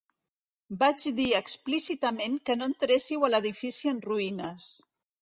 Vaig dir explícitament que no entréssiu a l'edifici en ruïnes.